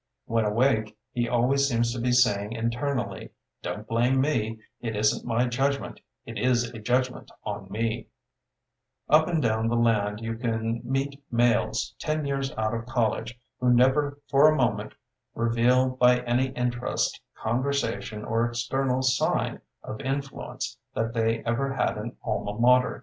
When awake, he always seems to be saying internally: "Don't blame me; it isn't my judg ment, it is a judgment on me'' Up and down the land you can meet males ten years out of college, who never for a moment reveal by any interest, conversation, or external sign of in fluence that they ever had an alma mater.